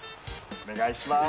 お願いします。